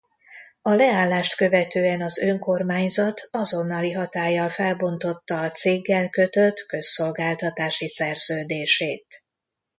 A leállást követően az Önkormányzat azonnali hatállyal felbontotta a céggel kötött közszolgáltatási szerződését.